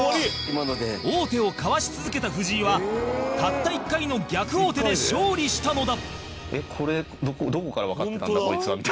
王手をかわし続けた藤井はたった１回の逆王手で勝利したのだ